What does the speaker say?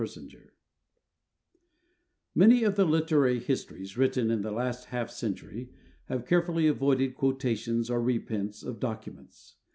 Many of the literary histories written in the last half century have carefully avoided quotations or reprints of documents.